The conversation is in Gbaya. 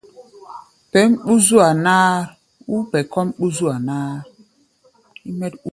Pɛʼm ɓú-zua-náár ou pɛ kɔ́ʼm ɓú-zúa-náár.